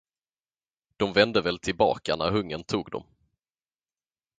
De vände väl tillbaka när hungern tog dem.